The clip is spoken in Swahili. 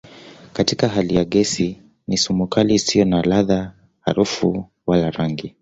Katika hali ya gesi ni sumu kali isiyo na ladha, harufu wala rangi.